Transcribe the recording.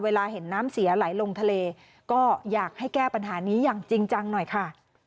เวลาเห็นน้ำเสียไหลลงทะเลก็อยากให้แก้ปัญหานี้อย่างจริงจังหน่อยค่ะ